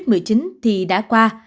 covid một mươi chín thì đã qua